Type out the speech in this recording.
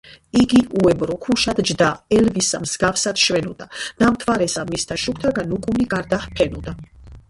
"იგი უებრო ქუშად ჯდა, ელვისა მსგავსად შვენოდა, და მთვარესა მისთა შუქთაგან უკუნი გარდაჰფენოდა".